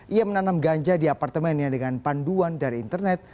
ia menanam ganja di apartemennya dengan panduan dari internet